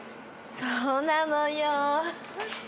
そうなのよ。